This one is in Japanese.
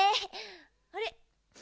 あれ？